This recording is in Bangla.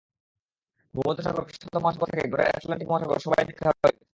ভূমধ্যসাগর, প্রশান্ত মহাসাগর থেকে ঘরের আটলান্টিক মহাসাগর, সবই দেখা হয়ে গেছে।